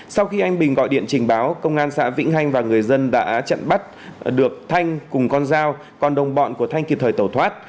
sau khi anh bình gọi điện trình báo công an xã vĩnh hanh và người dân đã chặn bắt được thanh cùng con dao còn đồng bọn của thanh kịp thời tẩu thoát